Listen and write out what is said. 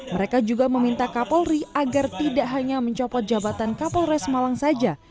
mereka juga meminta kapol ri agar tidak hanya mencopot jabatan kapol resmalang saja